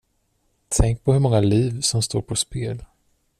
Tänk på hur många liv som står på spel.